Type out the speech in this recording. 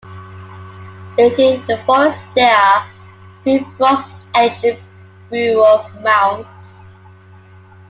Within the forest there are three Bronze Age burial mounds.